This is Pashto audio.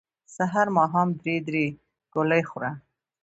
سحر ماښام درې درې ګولۍ خوره